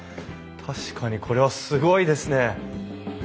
確かにこれはすごいですね！